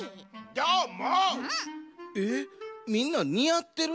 どーも？